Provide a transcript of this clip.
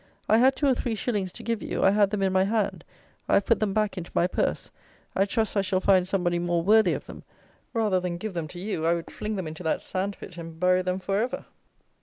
I had two or three shillings to give you; I had them in my hand: I have put them back into my purse: I trust I shall find somebody more worthy of them: rather than give them to you, I would fling them into that sand pit and bury them for ever."